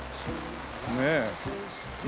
ねえ。